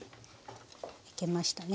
焼けましたね。